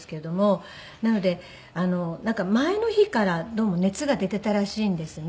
なので前の日からどうも熱が出ていたらしいんですね。